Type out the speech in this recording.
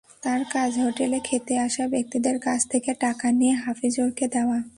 তাঁর কাজ হোটেলে খেতে আসা ব্যক্তিদের কাছ থেকে টাকা নিয়ে হাফিজুরকে দেওয়া।